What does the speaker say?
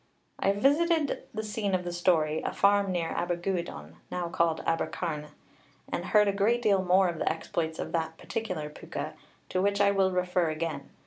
' I visited the scene of the story, a farm near Abergwyddon (now called Abercarne), and heard a great deal more of the exploits of that particular Pwca, to which I will refer again.